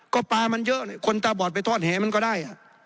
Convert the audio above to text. ก็ปลามันเยอะคนตาบอดไปทอดแหมันก็ได้